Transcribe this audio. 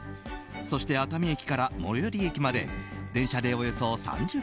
そして熱海駅から最寄り駅まで電車で、およそ３０分。